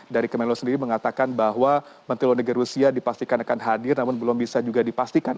dari kemenlo sendiri mengatakan bahwa menteri luar negeri rusia dipastikan akan hadir namun belum bisa juga dipastikan